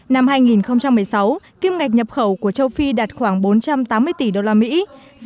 năm hai nghìn một mươi sáu kim ngạch nhập khẩu của châu phi đạt khoảng bốn trăm tám mươi tỷ usd